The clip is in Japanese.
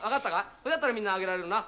分かったらみんな挙げられるな。